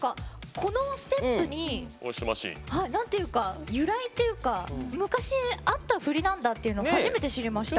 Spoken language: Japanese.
このステップに由来っていうか昔あった振りなんだっていうの初めて知りました。